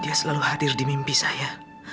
dia selalu hadir di mimpi saya